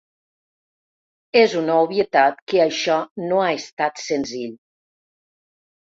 És una obvietat que això no ha estat senzill.